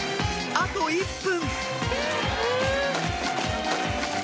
あと１分！